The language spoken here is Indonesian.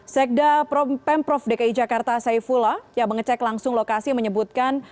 sekda pemprov dki jakarta saifullah yang mengecek langsung lokasi menyebutkan